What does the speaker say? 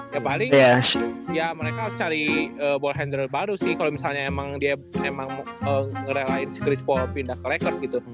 ya paling ya mereka harus cari ball handler baru sih kalo misalnya emang dia emang ngerelain si chris paul pindah ke lakers gitu